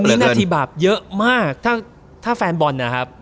วินาทีบาปเยอะมากถ้าแฟนบอลนะครับ